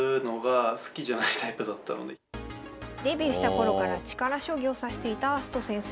デビューした頃から力将棋を指していた明日斗先生。